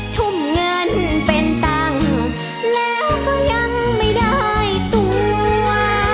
ทุ่มเงินเป็นตังค์แล้วก็ยังไม่ได้ตัว